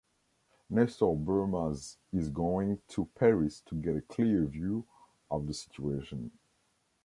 Nestor Burma's is going to Paris to get a clear view of the situation.